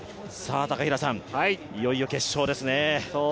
高平さん、いよいよ決勝ですね。